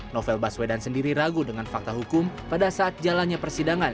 novel baswedan sendiri ragu dengan fakta hukum pada saat jalannya persidangan